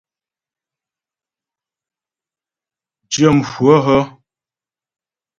Dyə̂mhwə hə́ ?